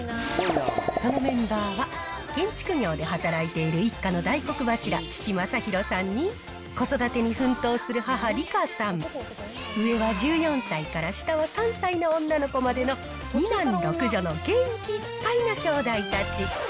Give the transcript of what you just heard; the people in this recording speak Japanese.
そのメンバーは、建築業で働いている一家の大黒柱、父、まさひろさんに、子育てに奮闘する母、リカさん、上は１４歳から下は３歳の女の子までの２男６女の元気いっぱいなきょうだいたち。